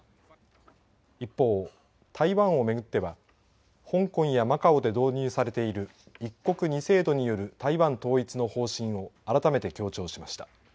一方、台湾を巡っては香港やマカオで導入されている一国二制度による台湾統一の方針を改めて強調しました。